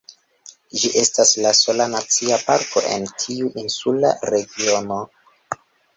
Ĝi estas la sola nacia parko en tiu insula regiono.